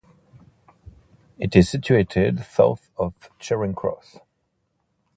It is situated south of Charing Cross.